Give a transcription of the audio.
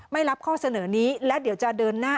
ไม่รับข้อเสนอนี้และเดี๋ยวจะเดินหน้า